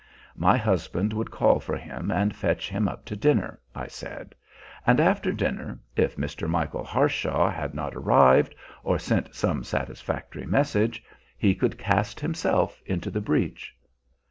My husband would call for him and fetch him up to dinner, I said; and after dinner, if Mr. Michael Harshaw had not arrived, or sent some satisfactory message, he could cast himself into the breach.